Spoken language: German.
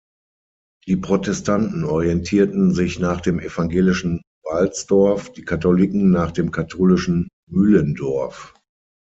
Die Protestanten orientierten sich nach dem evangelischen Walsdorf, die Katholiken nach dem katholischen Mühlendorf.